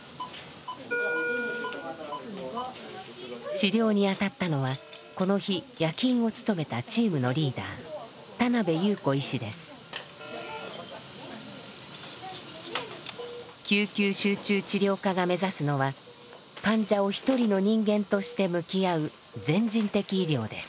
治療にあたったのはこの日夜勤を務めたチームのリーダー救急集中治療科が目指すのは患者を一人の人間として向き合う「全人的医療」です。